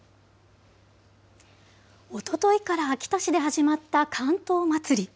おとといから秋田市で始まった竿燈まつり。